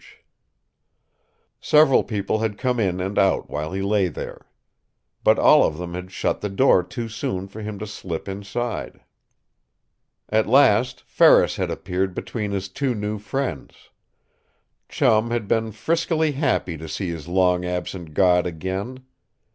Several people had come in and out while he lay there. But all of them had shut the door too soon for him to slip inside. At last Ferris had appeared between his two new friends. Chum had been friskily happy to see his long absent god again.